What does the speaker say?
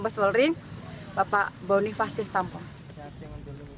mabos polri bapak bonifasius tampoy